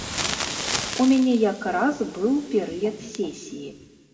У мяне якраз быў перыяд сесіі.